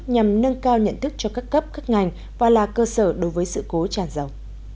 nhằm nâng cao nhận thức cho các cấp các ngành và là cơ sở đối với sự cố tràn dầu